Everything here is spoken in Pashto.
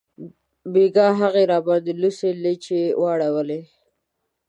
بیګاه هغې راباندې لوڅې لیچې واړولې